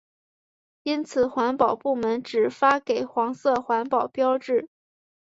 因此环保部门只发给黄色环保标志。